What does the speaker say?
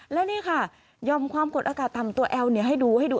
และนี่ค่ะยอมความกดอากาศต่ำตัวแอลให้ดูให้ดู